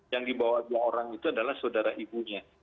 yang dibawa dua orang itu adalah saudara ibunya